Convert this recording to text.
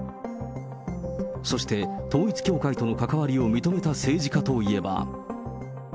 そして、統一教会との関わりを認めた政治家といえば。